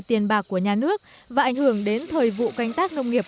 điều này đã đưa đến thời vụ canh tác nông nghiệp